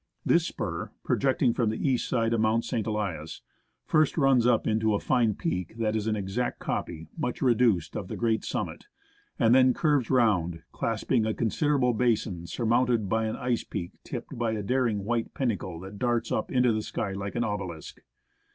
This spur, pro jecting from the east side of Mount St. Elias, first runs up into a fine peak that is an exact copy, much reduced, of the great summit ; and then curves round, clasping a considerable basin surmounted by an ice peak tipped by a daring white pinnacle that darts up into the sky like an obelisk.